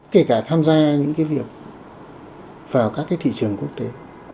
kể cả tham gia những việc vào các thị trường quốc tế